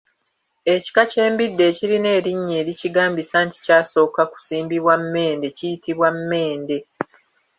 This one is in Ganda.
Ekika ky’embidde ekirina erinnya erikigambisa nti kyasooka kusimbibwa Mmende kiyitibwa Mmende